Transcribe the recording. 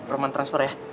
roman transfer ya